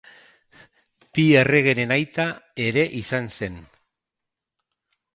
Bi erregeren aita ere izan zen.